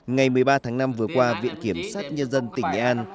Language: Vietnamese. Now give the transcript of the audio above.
ngày một mươi ba tháng năm vừa qua viện kiểm sát nhân dân tỉnh nghệ an